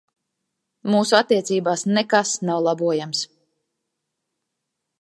Mūsu attiecībās nekas nav labojams.